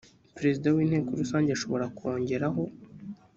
perezida w inteko rusange ashobora kongeraho